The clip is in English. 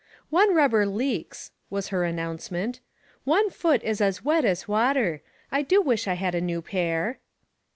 " One rubber leaks," was her announcement ;" one foot is as wet as water. I do wish I had a new pair."